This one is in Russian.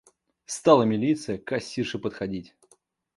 Стала милиция к кассирше подходить.